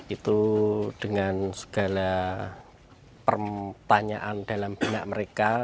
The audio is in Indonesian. itu dengan segala pertanyaan dalam bina mereka